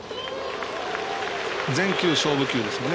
全球勝負球ですもんね。